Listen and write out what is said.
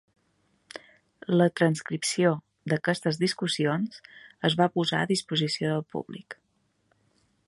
La transcripció d'aquestes discussions es va posar a disposició del públic.